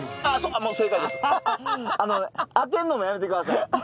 あの当てんのもやめてください。